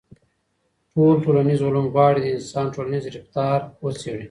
ټول ټولنيز علوم غواړي د انسان ټولنيز رفتار وڅېړي.